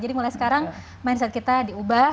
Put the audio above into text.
jadi mulai sekarang mindset kita diubah